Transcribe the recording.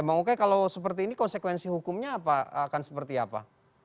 bang uke kalau seperti ini konsekuensi hukumnya akan seperti apa